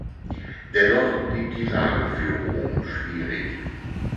Dennoch blieb die Lage für Rom schwierig.